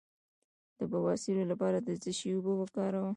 د بواسیر لپاره د څه شي اوبه وکاروم؟